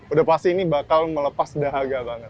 udah pasti ini bakal melepas dahaga banget